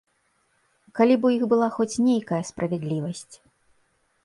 Калі б у іх была хоць нейкая справядлівасць.